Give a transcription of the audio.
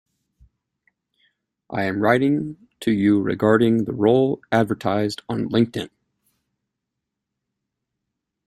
I am writing to you regarding the role advertised on LinkedIn.